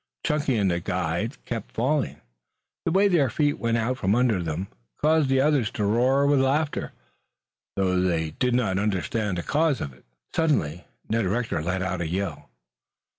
Chunky and the guide kept falling. The way their feet went out from under them caused the others to roar with laughter though they did not understand the cause at all. Suddenly, Ned Rector let out a yell.